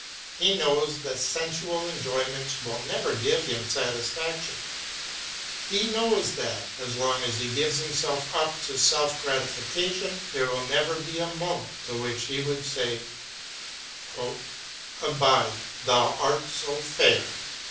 He knows that sensual enjoyment will never give him satisfaction; he knows that, as long as he gives himself up to self gratification, there will never be a moment to which he would say: "Abide, thou art so fair!"